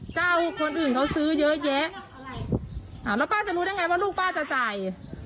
เจ้าคนอื่นเขาซื้อเยอะแยะแล้วป้าจะรู้ได้ไงว่าลูกป้าจะจ่าย